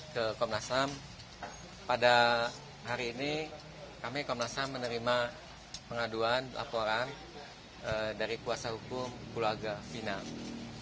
ke komnasam pada hari ini kami komnasam menerima pengaduan laporan dari kuasa hukum keluarga final